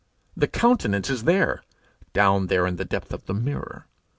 The countenance is there down there in the depth of the mirror.